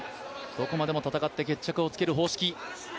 どこまでも戦って決着をつける方式。